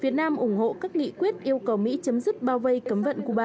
việt nam ủng hộ các nghị quyết yêu cầu mỹ chấm dứt bao vây cấm vận cuba